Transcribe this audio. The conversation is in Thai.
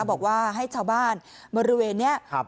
บอกว่าให้ชาวบ้านมารุเวณเนี้ยครับ